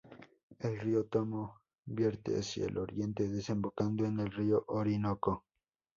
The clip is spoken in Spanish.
El río Tomo vierte hacia el oriente, desembocando en el río Orinoco.